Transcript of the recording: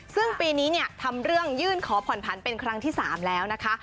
ซึ่งปีนี้ทำเรื่องยื่นขอผ่อนผันเป็นครั้งที่๓แล้วนะคะ